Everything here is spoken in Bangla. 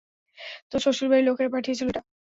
তোর শ্বশুরবাড়ির লোকেরা পাঠিয়েছিল এটা।